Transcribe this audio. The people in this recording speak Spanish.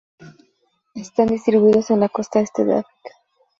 Están distribuidos en la costa este de África.